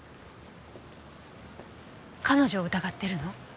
彼女を疑ってるの？